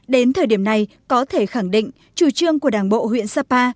đến thời điểm này có thể khẳng định chủ trương của đảng bộ huyện sapa